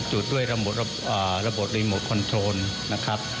จุดด้วยระบบรีโมทคอนโทรลนะครับ